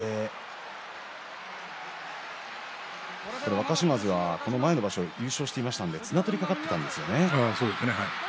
大関との相撲に抜てきされて若嶋津はこの前の場所優勝していましたので綱取りが懸かっていたんですよね。